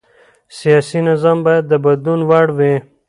سیاسي نظام باید د بدلون وړ وي